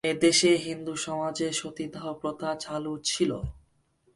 এদেশে হিন্দু সমাজে সতীদাহ প্রথা চালু ছিল।